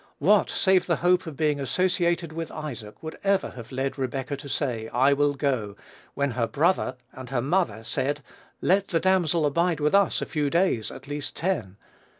What, save the hope of being associated with Isaac, would ever have led Rebekah to say, "I will go," when her "brother and her mother said, Let the damsel abide with us a few days, at least ten."